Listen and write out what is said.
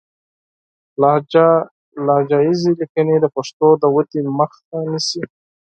لهجه ييزې ليکنې د پښتو د ودې مخه نيسي